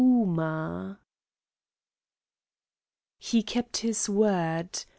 OOMA He kept his word.